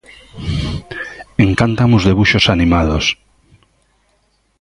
Encántanme os debuxos animados.